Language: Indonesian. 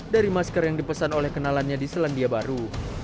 dari masker yang dipesan oleh kenalannya di selandia baru